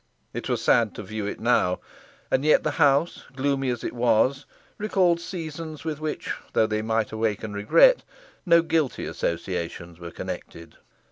It was sad to view it now; and yet the house, gloomy as it was, recalled seasons with which, though they might awaken regret, no guilty associations were connected.